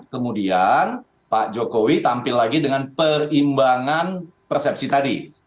kemudian pak jokowi tampil lagi dengan perimbangan persepsi tadi